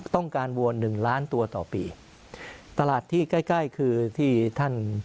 วัวหนึ่งล้านตัวต่อปีตลาดที่ใกล้ใกล้คือที่ท่าน